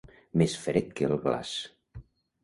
Més fred que el glaç.